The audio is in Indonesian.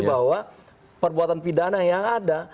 bahwa perbuatan pidana yang ada